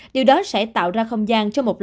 điều đó sẽ tạo ra không gian cho một bệnh